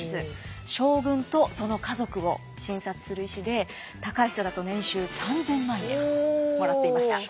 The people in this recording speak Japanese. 将軍とその家族を診察する医師で高い人だと年収３，０００万円もらっていました。